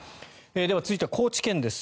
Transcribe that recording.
では、続いては高知県です。